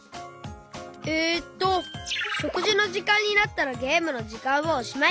えっとしょくじのじかんになったらゲームのじかんはおしまい！